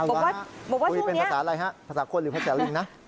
คุยเป็นภาษาอะไรฮะภาษาคนหรือภาษาลิงนะ